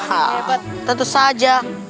hebat tentu saja